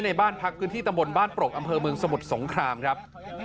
ในบ้านพักพื้นที่ตำบลบ้านปรกอำเภอเมืองสมุทรสงครามครับ